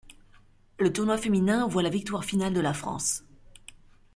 Le tournoi féminin voit la victoire finale de la France.